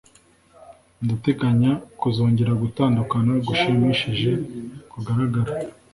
ndateganya kuzongera gutandukana gushimishije kugaragara